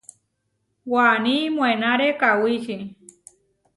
Waní moʼénare kawíči.